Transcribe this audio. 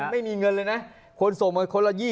ไม่มีเงินเลยนะคนส่งมาคนละ๒๐